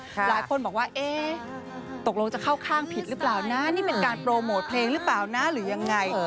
หลายคนบอกว่าเอ๊ะตกลงจะเข้าข้างผิดหรือเปล่านะนี่เป็นการโปรโมทเพลงหรือเปล่านะหรือยังไง